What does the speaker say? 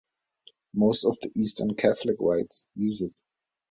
Most of the Eastern Catholic Rites use it.